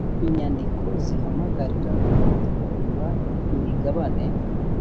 inyandiko zihamagarira rubanda kugura imigabane